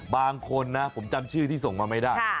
บางคนนะผมจำชื่อที่ส่งมาไม่ได้